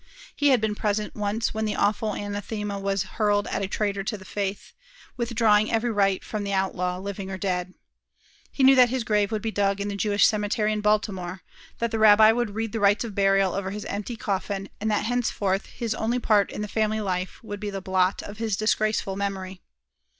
He had been present once when the awful anathema was hurled at a traitor to the faith, withdrawing every right from the outlaw, living or dead. He knew that his grave would be dug in the Jewish cemetery in Baltimore; that the rabbi would read the rites of burial over his empty coffin, and that henceforth his only part in the family life would be the blot of his disgraceful memory.